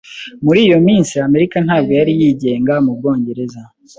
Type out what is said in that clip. Muri iyo minsi, Amerika ntabwo yari yigenga mu Bwongereza.